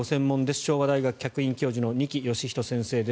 昭和大学客員教授の二木芳人先生です。